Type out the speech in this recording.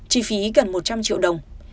chi phí gần một trăm linh triệu đồng